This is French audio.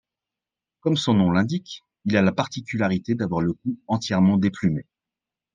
Comme son nom l'indique, il a la particularité d'avoir le cou entièrement déplumé.